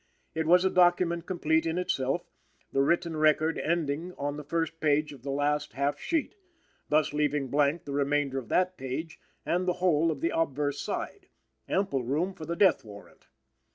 It was a document complete in itself, the written record ending on the first page of the last half sheet thus leaving blank the remainder of that page and the whole of the obverse side; ample room for the death warrant.